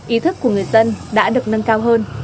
ý thức của người dân đã được nâng cao hơn